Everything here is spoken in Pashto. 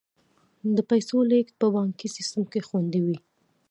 د پیسو لیږد په بانکي سیستم کې خوندي وي.